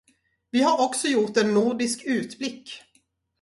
Vi har också gjort en nordisk utblick.